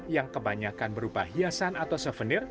yang kebanyakan berupa hiasan atau souvenir